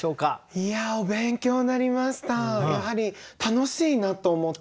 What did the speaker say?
いやお勉強になりました。